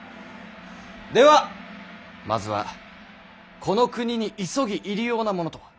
ではまずはこの国に急ぎ入り用なものとは？